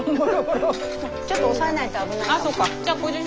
ちょっと押さえないと危ないかな。